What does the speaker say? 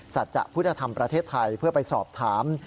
สัจจะพุทธธรรมประเทศไทยเพื่อไปสอบถาม